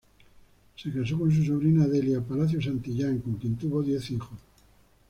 Se casó con su sobrina Delia Palacio Santillán, con quien tuvo diez hijos.